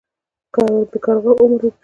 د کارغه عمر اوږد وي